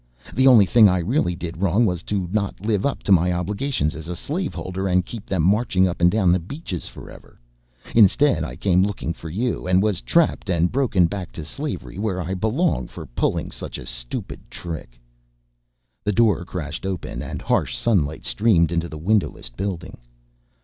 The only thing I really did wrong was to not live up to my obligations as a slave holder and keep them marching up and down the beaches forever. Instead I came looking for you and was trapped and broken back to slavery where I belong for pulling such a stupid trick." The door crashed open and harsh sunlight streamed into the windowless building.